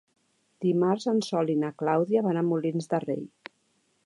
Dimarts en Sol i na Clàudia van a Molins de Rei.